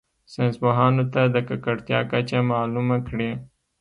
ساینس پوهانو ته د ککړتیا کچه معلومه کړي.